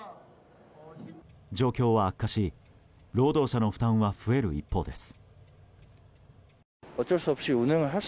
状況は悪化し労働者の負担は増える一方です。